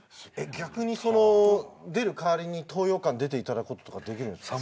逆にその出る代わりに東洋館出ていただくこととかできる？